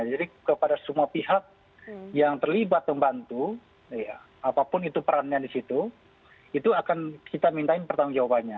jadi kepada semua pihak yang terlibat membantu apapun itu perannya di situ itu akan kita mintain pertanggung jawabannya